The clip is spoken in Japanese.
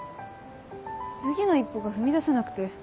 次の一歩が踏み出せなくて。